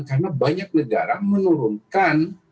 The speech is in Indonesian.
karena banyak negara menurunkan